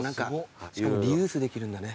しかもリユースできるんだね。